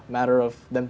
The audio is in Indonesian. mungkin itu sebuah